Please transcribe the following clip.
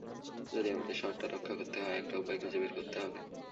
যদি আমাদের শহরটা রক্ষা করতে হয়, একটা উপায় খুঁজে বের করতে হবে।